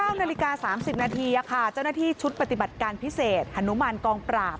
๙นาฬิกา๓๐นาทีเจ้าหน้าที่ชุดปฏิบัติการพิเศษฮนุมานกองปราบ